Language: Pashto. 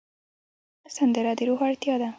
سندره د روح اړتیا ده